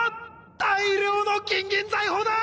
大量の金銀財宝だ！